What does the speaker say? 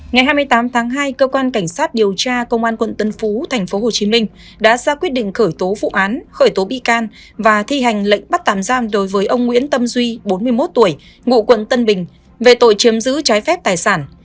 ngày hai mươi tám tháng hai cơ quan cảnh sát điều tra công an quận tân phú tp hcm đã ra quyết định khởi tố vụ án khởi tố bị can và thi hành lệnh bắt tạm giam đối với ông nguyễn tâm duy bốn mươi một tuổi ngụ quận tân bình về tội chiếm giữ trái phép tài sản